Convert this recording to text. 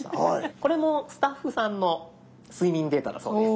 これもスタッフさんの睡眠データだそうです。